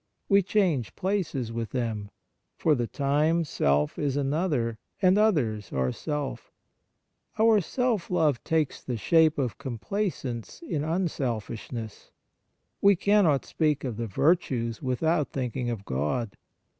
We change places with them. For the time self is another, and others are self. Our self love takes the shape of complacence in unselfishness. We cannot speak of the virtues without thinking of God.